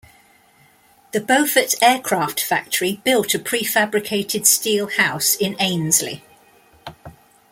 The Beaufort aircraft factory built a prefabricated steel house in Ainslie.